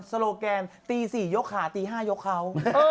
โลแกนตี๔ยกขาตี๕ยกเขา